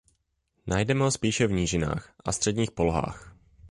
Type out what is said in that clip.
Najdeme ho spíše v nížinách a středních polohách.